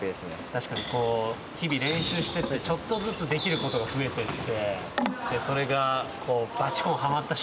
確かに日々練習しててちょっとずつできることが増えてってでそれがねえ